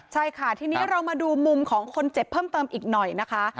ใช่ค่ะทีนี้เรามาดูมุมของคนเจ็บเพิ่มเติมอีกหน่อยนะคะ